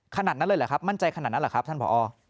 ขนาดนั้นเลยเหรอครับมั่นใจขนาดนั้นเหรอครับท่านผอ